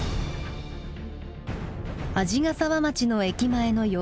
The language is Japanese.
鰺ヶ沢町の駅前の様子。